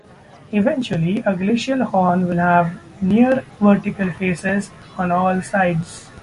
Eventually, a glacial horn will have near vertical faces on all sides.